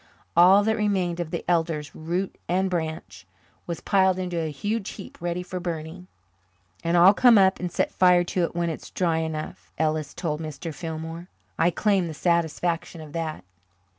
All that remained of the elders, root and branch, was piled into a huge heap ready for burning. "And I'll come up and set fire to it when it's dry enough," Ellis told Mr. Fillmore. "I claim the satisfaction of that."